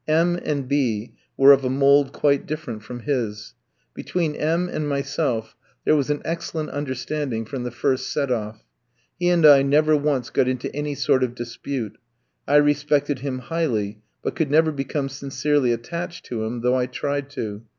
M tski and B ski were of a mould quite different from his. Between M tski and myself there was an excellent understanding from the first set off. He and I never once got into any sort of dispute; I respected him highly, but could never become sincerely attached to him, though I tried to.